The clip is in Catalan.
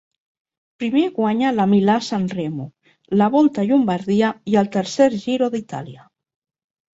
Primer guanya la Milà-Sanremo, la Volta a Llombardia i el tercer Giro d'Itàlia.